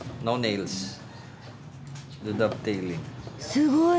すごい！